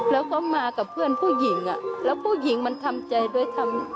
แล้วก็มากับเพื่อนผู้หญิงผู้หญิงมันทำใจด้วยอะไรใช่ไหม